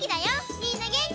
みんなげんき？